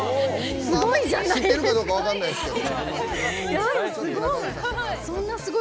知ってるかどうか分からないですけど。